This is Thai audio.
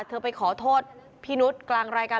เธอไปขอโทษพี่นุษย์กลางรายการ